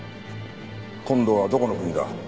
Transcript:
今度はどこの国だ？